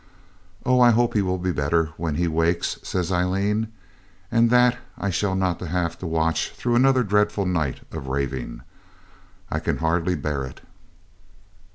'Oh! I hope he will be better when he wakes,' says Aileen, 'and that I shall not have to watch through another dreadful night of raving. I can hardly bear it.'